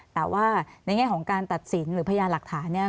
แต่ว่าในแง่ของการตัดสินหรือพยานหลักฐานเนี่ย